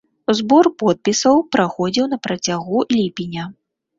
Збор подпісаў праходзіў на працягу ліпеня.